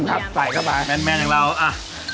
มันไหลเข้าไปแม่นอย่างเราอะ